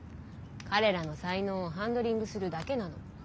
彼らの才能をハンドリングするだけなの。